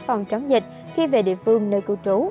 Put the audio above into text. phòng chống dịch khi về địa phương nơi cư trú